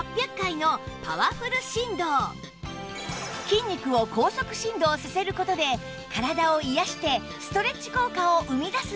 筋肉を高速振動させる事で体を癒やしてストレッチ効果を生み出すんです